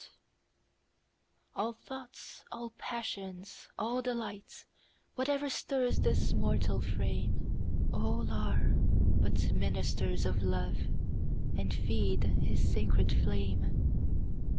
Love ALL thoughts, all passions, all delights, Whatever stirs this mortal frame, All are but ministers of Love, And feed his sacred flame.